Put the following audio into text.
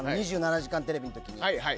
「２７時間テレビ」の時に。